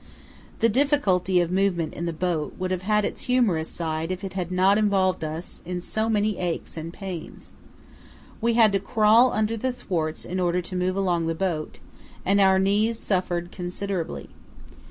The difficulty of movement in the boat would have had its humorous side if it had not involved us in so many aches and pains. We had to crawl under the thwarts in order to move along the boat, and our knees suffered considerably.